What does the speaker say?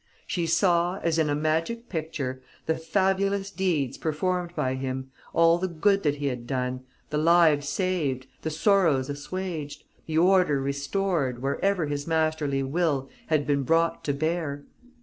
She saw, as in a magic picture, the fabulous deeds performed by him, all the good that he had done, the lives saved, the sorrows assuaged, the order restored wherever his masterly will had been brought to bear.